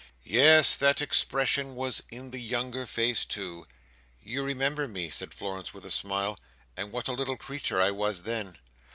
"Yes, that expression was in the younger face, too!" "You remember me," said Florence with a smile, "and what a little creature I was then?"